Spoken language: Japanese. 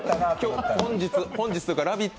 本日というか、「ラヴィット！」